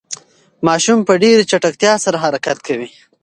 ماشوم په ډېرې چټکتیا سره حرکت کوي.